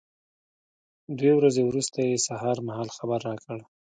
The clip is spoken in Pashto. دوې ورځې وروسته یې سهار مهال خبر را کړ.